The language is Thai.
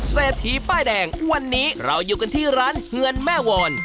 เศรษฐีป้ายแดงวันนี้เราอยู่กันที่ร้านเฮือนแม่วร